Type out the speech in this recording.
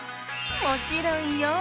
もちろんよ。